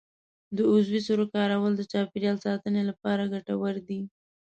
د عضوي سرې کارول د چاپیریال ساتنې لپاره ګټور دي.